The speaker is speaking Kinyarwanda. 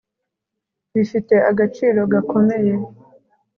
bifite agaciro gakomeye